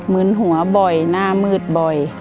มึนหัวบ่อยหน้ามืดบ่อย